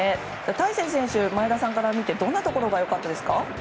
大勢選手前田さんから見てどんなところが良かったですか？